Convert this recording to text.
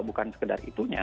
bukan sekedar itunya